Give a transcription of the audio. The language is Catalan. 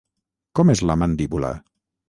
Com és la mandíbula?